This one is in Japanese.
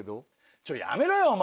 ちょやめろよお前！